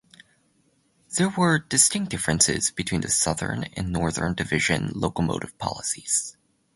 There were distinct differences between the Southern and Northern Division locomotive policies.